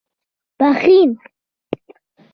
پښين